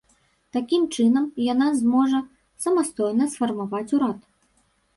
Такім чынам, яна зможа самастойна сфармаваць урад.